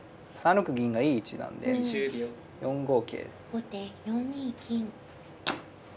後手４二金。